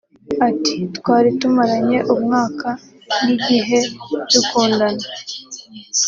Ati “Twari tumaranye umwaka n’igihe dukundana